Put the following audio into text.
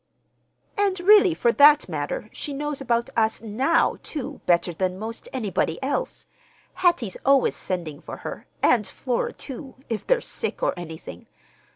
"And, really, for that matter, she knows about us now, too, better than 'most anybody else. Hattie's always sending for her, and Flora, too, if they're sick, or anything.